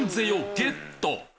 ゲット！